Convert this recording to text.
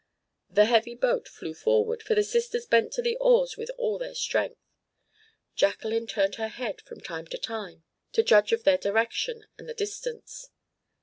The heavy boat flew forward, for the sisters bent to the oars with all their strength. Jacqueline turned her head from time to time, to judge of their direction and the distance.